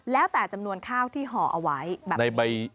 แล้วแต่จำนวนข้าวที่ห่อเอาไว้